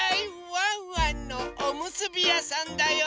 ワンワンのおむすびやさんだよ！